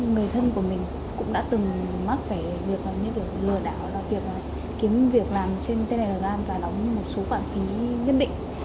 người thân của mình cũng đã từng mắc về việc làm những cái lừa đảo lo tiệp kiếm việc làm trên telegram và đóng một số khoản phí nhất định